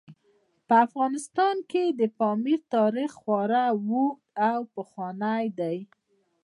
په افغانستان کې د پامیر تاریخ خورا اوږد او پخوانی دی.